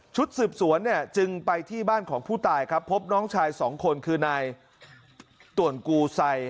ชุดสืบสวนเนี่ยจึงไปที่บ้านของผู้ตายครับพบน้องชายสองคนคือนายต่วนกูไซ